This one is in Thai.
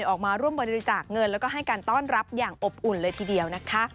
ออกมาร่วมบริจาคเงินแล้วก็ให้การต้อนรับอย่างอบอุ่นเลยทีเดียวนะคะ